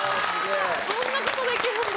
そんな事できるんだ！